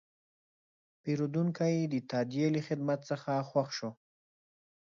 پیرودونکی د تادیې له خدمت څخه خوښ شو.